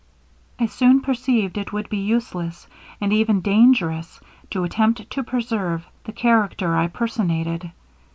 I soon perceived it would be useless, and even dangerous, to attempt to preserve the character I personated.